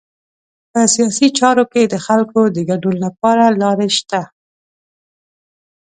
په سیاسي چارو کې د خلکو د ګډون لپاره لارې شته.